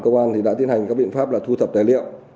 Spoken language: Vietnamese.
công an thì đã tiến hành các biện pháp là thu thập tài liệu